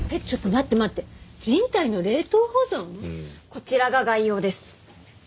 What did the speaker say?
こちらが概要です。